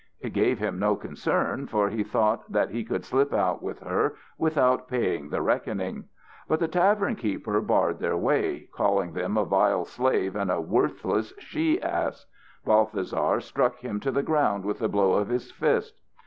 It gave him no concern, for he thought that he could slip out with her without paying the reckoning. But the tavern keeper barred their way, calling them a vile slave and a worthless she ass. Balthasar struck him to the ground with a blow of his fist.